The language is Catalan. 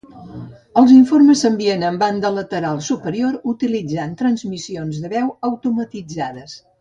Els informes s'envien amb banda lateral superior, utilitzant transmissions de veu automatitzades.